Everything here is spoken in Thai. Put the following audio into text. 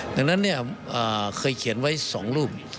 ดังนั้นเนี่ยเคยเขียนไว้สองรูป